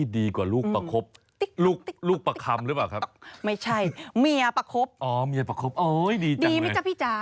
ดีไหมจ๊ะพี่จ๋า